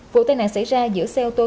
vụ tai nạn xảy ra giữa xe ô tô